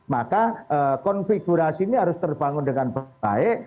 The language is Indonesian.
maka konfigurasi ini harus terbangun dengan baik